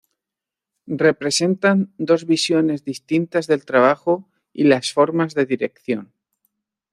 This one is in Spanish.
Representan dos visiones distintas del trabajo y las formas de dirección.